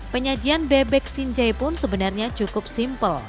penyajian bebek sinjai pun sebenarnya cukup simpel